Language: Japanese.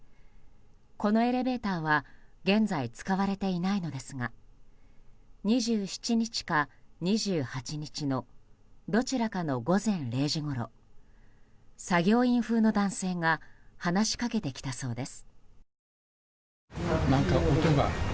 このエレベーターは現在使われていないのですが２７日か２８日のどちらかの午前０時ごろ作業員風の男性が話しかけてきたそうです。